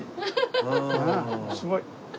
すごい。